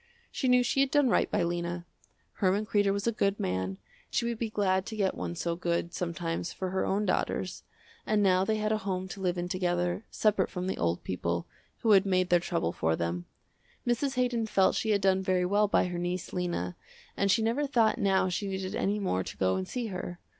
She knew she had done right by Lena. Herman Kreder was a good man, she would be glad to get one so good, sometimes, for her own daughters, and now they had a home to live in together, separate from the old people, who had made their trouble for them. Mrs. Haydon felt she had done very well by her niece, Lena, and she never thought now she needed any more to go and see her.